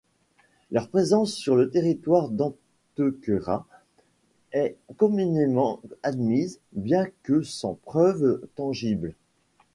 Leurs présences sur le territoire d'Antequera est communément admise bien que sans preuve tangible.